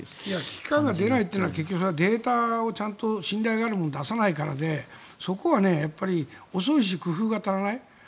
危機感が出ないのはデータをちゃんと信頼があるものを出さないからでそこは遅いし、工夫が足らない。